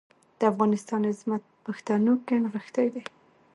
د افغانستان عظمت په پښتنو کې نغښتی دی.